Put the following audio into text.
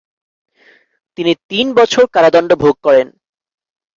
তিনি তিন বছর কারাদণ্ড ভোগ করেন।